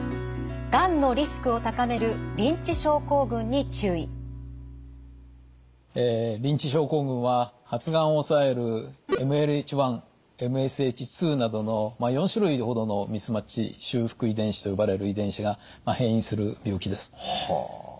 がんのリスクを高めるリンチ症候群は発がんを抑えるＭＬＨ１ＭＳＨ２などの４種類ほどのミスマッチ修復遺伝子と呼ばれる遺伝子が変異する病気です。はあ。